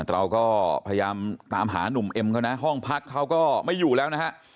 เราก็พยายามตามหานุ่มเอ็มเขานะห้องพักเขาก็ไม่อยู่แล้วนะฮะ